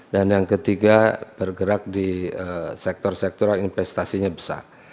dan yang ketiga bergerak di sektor sektor yang investasinya besar